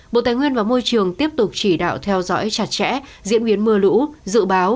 bộ tài nguyên và môi trường tiếp tục chỉ đạo theo dõi chặt chẽ diễn biến mưa lũ dự báo